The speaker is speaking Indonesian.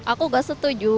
aku gak setuju